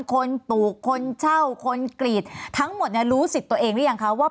คนปลูกคนเช่าคนกรีดทั้งหมดเนี่ยรู้สิทธิ์ตัวเองหรือยังคะว่า